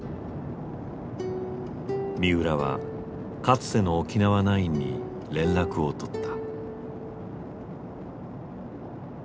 三浦はかつての沖縄ナインに連絡を取った。